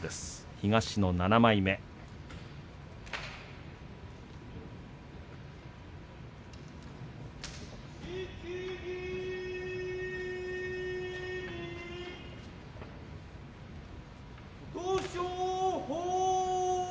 東の７枚目王鵬。